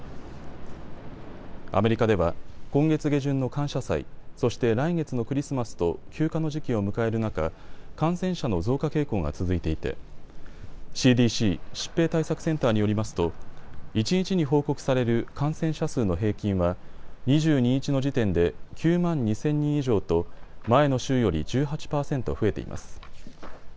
アメリカでは今月下旬の感謝祭、そして来月のクリスマスと休暇の時期を迎える中、感染者の増加傾向が続いていてＣＤＣ・疾病対策センターによりますと一日に報告される感染者数の平均は２２日の時点で９万２０００人以上と前の週より１８％増えています。